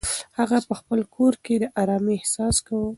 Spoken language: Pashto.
هغه په خپل کور کې د ارامۍ احساس کاوه.